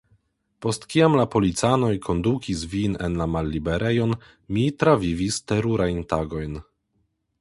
Post kiam la policanoj kondukis vin en la malliberejon, mi travivis terurajn tagojn.